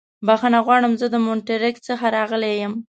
بښنه غواړم. زه د مونټریکس څخه راغلی یم.